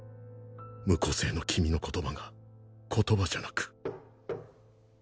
無個性の君の言葉が言葉じゃなく